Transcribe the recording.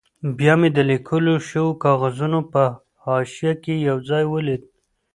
بیا مې د لیکل شوو کاغذونو په حاشیه کې یو ځای ولید.